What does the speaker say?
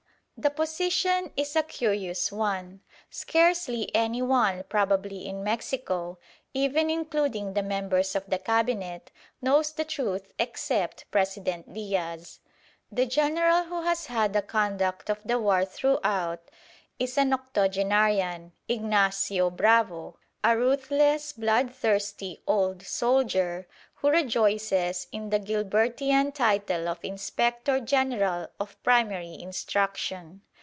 The position is a curious one. Scarcely any one probably in Mexico, even including the members of the Cabinet, knows the truth except President Diaz. The general who has had the conduct of the war throughout is an octogenarian, Ignacio Bravo, a ruthless, bloodthirsty old soldier who rejoices in the Gilbertian title of "Inspector General of Primary Instruction."